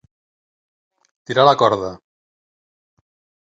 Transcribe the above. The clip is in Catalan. Tirar la corda.